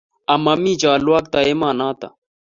Ama mi chalwokto, emonoto